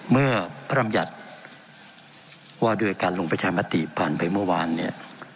เมื่อพระรำยัติว่าด้วยการลงประชามติผ่านไปเมื่อวานเนี่ย